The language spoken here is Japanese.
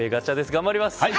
頑張ります！